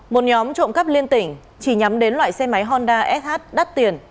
một nhóm trộm cắp liên tỉnh chỉ nhắm đến loại xe máy honda sh đắt tiền